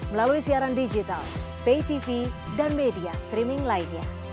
melalui siaran digital pay tv dan media streaming lainnya